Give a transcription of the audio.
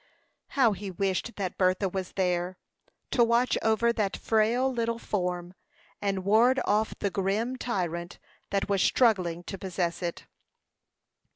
How he wished that Bertha was there, to watch over that frail little form, and ward off the grim tyrant that was struggling to possess it!